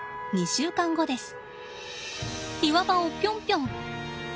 岩場をピョンピョン。